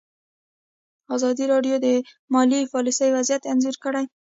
ازادي راډیو د مالي پالیسي وضعیت انځور کړی.